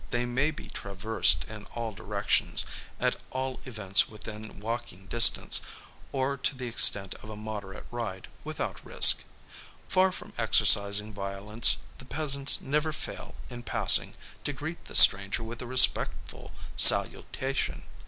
They may be traversed in all directions, at all events within walking distance, or to the extent of a moderate ride, without risk. Far from exercising violence, the peasants never fail, in passing, to greet the stranger with a respectful salutation.